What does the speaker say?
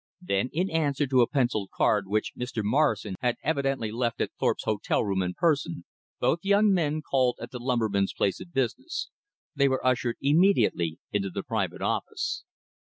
Then in answer to a pencilled card which Mr. Morrison had evidently left at Thorpe's hotel in person, both young men called at the lumberman's place of business. They were ushered immediately into the private office.